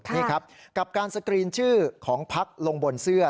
นี่ครับกับการสกรีนชื่อของพักลงบนเสื้อ